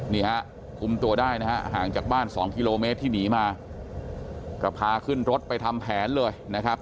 นี่ฮะคุมตัวได้นะฮะห่างจากบ้านสองกิโลเมตรที่หนีมาก็พาขึ้นรถไปทำแผนเลยนะครับ